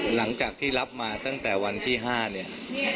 หลังจากที่รับมาตั้งแต่วันที่๕เนี่ย